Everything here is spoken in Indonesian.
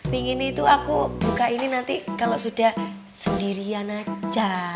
pingin itu aku buka ini nanti kalau sudah sendirian aja